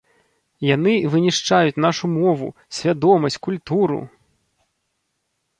Яны вынішчаюць нашу мову, свядомасць, культуру!